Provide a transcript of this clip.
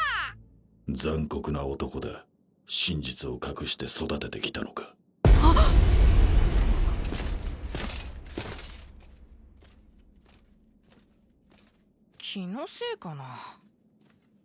残酷な男だ真実を隠して育ててきたのか気のせいかな？